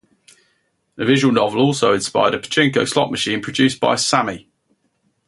The visual novel also inspired a pachinko slot machine produced by Sammy.